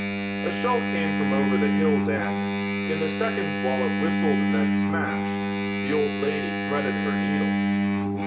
A shell came from over the hills and, in the seconds while it whistled and then smashed, the old lady threaded her needle.